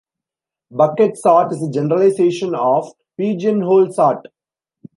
Bucket sort is a generalization of pigeonhole sort.